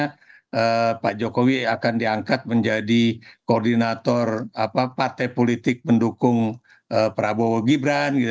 karena pak jokowi akan diangkat menjadi koordinator partai politik pendukung prabowo gibran gitu